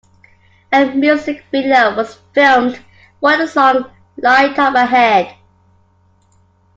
A music video was filmed for the song Light Up Ahead.